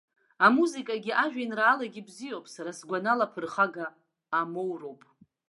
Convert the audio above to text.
Амузыкагьы ажәеинраалагьы бзиоуп, сара сгәанала ԥырхага амоуроуп!